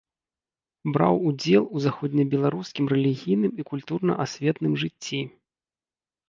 Браў удзел у заходнебеларускім рэлігійным і культурна-асветным жыцці.